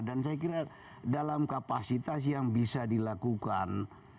dan saya kira dalam kapasitas yang bisa dilakukan